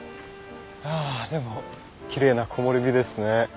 あでもきれいな木漏れ日ですね。